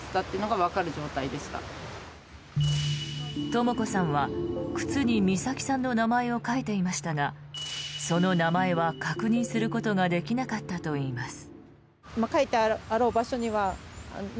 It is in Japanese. とも子さんは靴に美咲さんの名前を書いていましたがその名前は確認することができなかったといいます。